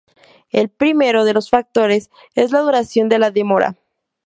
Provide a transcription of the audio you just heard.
El primero de los factores es la duración de la demora.